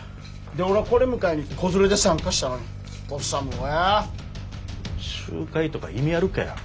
で俺はこれ迎えに行って子連れで参加したのに治はよ。集会とか意味あるかよ。